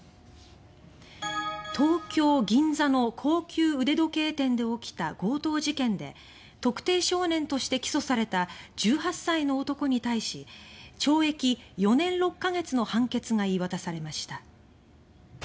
東京・銀座の高級腕時計店で起きた強盗事件で特定少年として起訴された１８歳の男に対し懲役４年６か月の判決が言い渡されました。